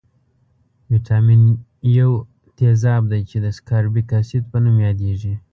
ویتامین یو تیزاب دی چې د سکاربیک اسید په نوم یادیږي.